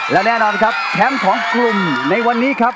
และแน่นอนครับแชมป์ของกลุ่มในวันนี้ครับ